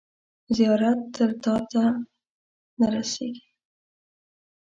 زیارت تر تاته نه رسیږي.